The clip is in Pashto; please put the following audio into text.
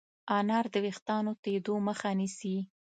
انار د ويښتانو تویدو مخه نیسي.